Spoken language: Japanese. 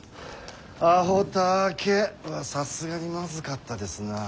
「あほたわけ」はさすがにまずかったですなあ。